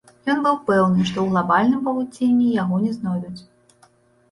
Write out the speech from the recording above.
Ён быў пэўны, што ў глабальным павуцінні яго не знойдуць.